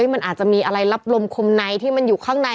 มันอาจจะมีอะไรรับลมคมในที่มันอยู่ข้างใน